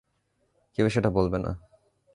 কেউই সেটা বলবে না!